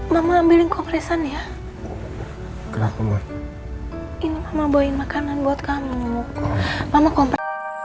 mama ambilin kompresan ya kerajaan ini mama boyang makanan buat kamu mama